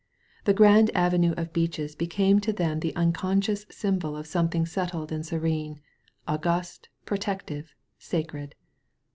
The grand avenue of beeches be came to them the unconscious symbol of something settled and serene* august> protective, sacred.